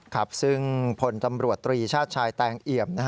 ครับซึ่งพลตำรวจตรีชาติชายแตงเอี่ยม